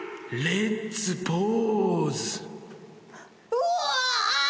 うわ！